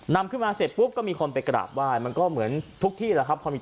นำขึ้นมาเสร็จปุ๊บก็มีคนไปกราบไหว้มันก็เหมือนทุกที่แหละครับ